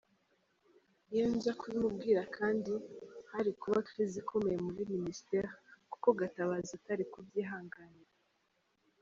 Iyo nza kubimubwira kandi hari kuba crise ikomeye muri ministère kuko Gatabazi atari kubyihanganira.